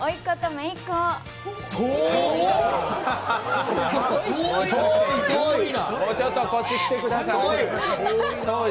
もうちょっとこっち来てください。